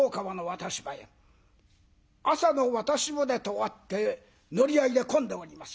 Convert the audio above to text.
朝の渡し船とあって乗り合いで混んでおります。